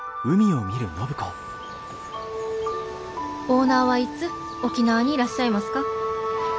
「オーナーはいつ沖縄にいらっしゃいますか？